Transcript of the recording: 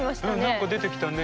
何か出てきたね。